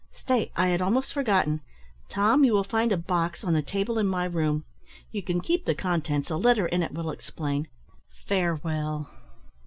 Stay, I had almost forgotten. Tom, you will find a box on the table in my room; you can keep the contents a letter in it will explain. Farewell!"